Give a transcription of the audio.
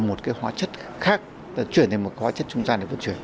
một cái hóa chất khác chuyển thành một hóa chất trung gian để vận chuyển